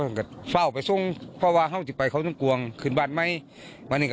ซังกัดเฝ้าไปทรงพ่อวางเข้าที่ไปเขาต้องกวงขึ้นบ้านไหม